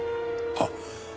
あっ。